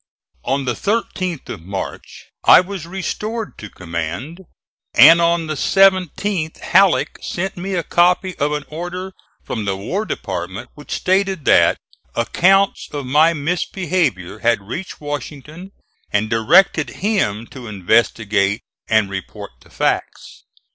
On the 13th of March I was restored to command, and on the 17th Halleck sent me a copy of an order from the War Department which stated that accounts of my misbehavior had reached Washington and directed him to investigate and report the facts.